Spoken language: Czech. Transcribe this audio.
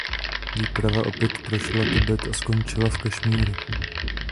Výprava opět prošla Tibet a končila v Kašmíru.